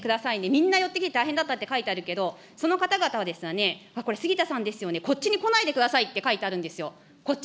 みんな寄ってきて大変だったって書いてあるけど、その方々は、これ、杉田さんですよね、こっちに来ないでくださいって書いてあるんですよ。